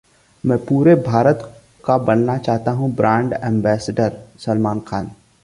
मैं पूरे भारत का बनना चाहता हूं ब्रांड एंबेस्डर: सलमान खान